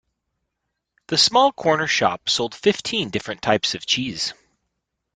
The small corner shop sold fifteen different types of cheese